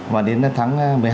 và đến tháng một mươi hai